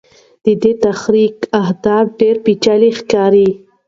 د دې تحریک اهداف ډېر پېچلي ښکاري.